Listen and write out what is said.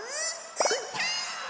うーたん！